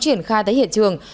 triển khai tới hiện trường